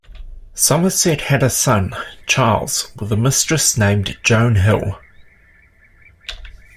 Somerset had a son, Charles, with a mistress named Joan Hill.